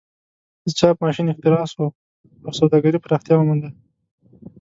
د چاپ ماشین اختراع شو او سوداګري پراختیا ومونده.